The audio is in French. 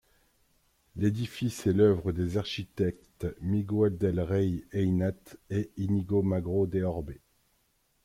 L'édifice est l'œuvre des architectes Miguel del Rey Aynat et Íñigo Magro de Orbe.